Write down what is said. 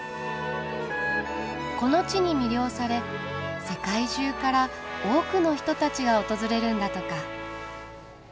この地に魅了され世界中から多くの人たちが訪れるんだとか。